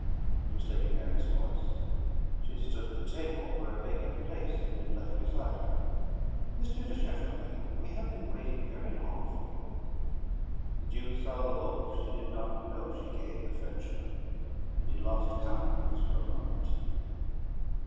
It was Lady Mary's voice; she stood at a table where a vacant place had been left beside her. "M. de Chateaurien, we have been waiting very long for you." The Duke saw the look she did not know she gave the Frenchman, and he lost countenance for a moment.